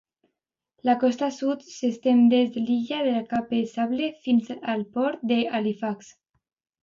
La costa sud s'estén des de l'illa de Cape Sable fins al port de Halifax.